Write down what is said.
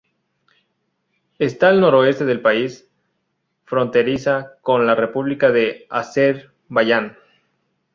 Está al noroeste del país, fronteriza con la república de Azerbaiyán.